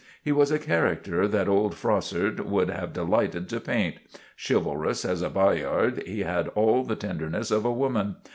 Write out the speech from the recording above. He was a character that old Froissart would have delighted to paint. Chivalrous as a Bayard, he had all the tenderness of a woman.